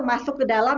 masuk ke dalam